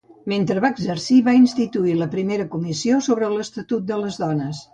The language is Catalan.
Mentre va exercir va instituir la primera comissió sobre l'Estatut de les Dones.